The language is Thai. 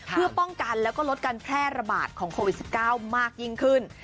เพื่อป้องกันแล้วก็ลดการแพร่ระบาดของโควิด๑๙มากยิ่งขึ้น